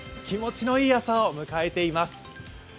気持ちのいい朝を迎えています。